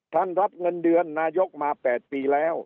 รับเงินเดือนนายกมา๘ปีแล้ว